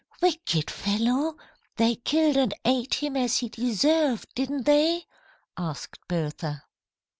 "Wicked fellow! They killed and ate him as he deserved, didn't they?" asked Bertha.